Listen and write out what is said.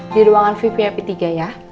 di ruangan vvip tiga ya